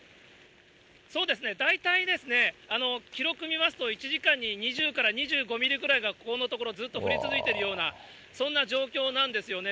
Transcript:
そうですね、大体ですね、記録見ますと１時間に２０から２５ミリぐらいが、ここのところ、ずっと降り続いているような、そんな状況なんですよね。